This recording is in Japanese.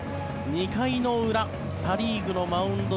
２回の裏パ・リーグのマウンド